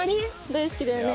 大好きだよね。